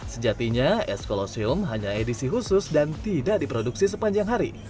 sejatinya es colosseum hanya edisi khusus dan tidak diproduksi sepanjang hari